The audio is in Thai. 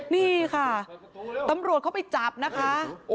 นี่ค่ะตำรวจเข้าไปจับนะคะ